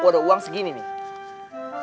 ada uang segini nih